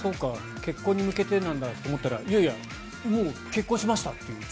結婚に向けてなんだと思ったらいやいやもう結婚しましたという。